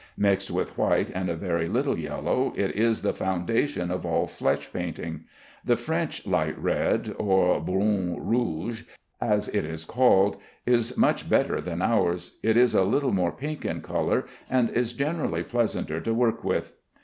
Mixed with white and a very little yellow it is the foundation of all flesh painting. The French light red, or "brun rouge," as it is called, is much better than ours. It is a little more pink in color, and is generally pleasanter to work with.